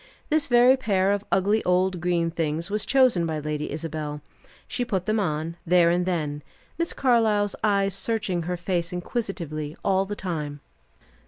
This very pair of ugly old green things was chosen by Lady Isabel. She put them on, there and then, Miss Carlyle's eyes searching her face inquisitively all the time.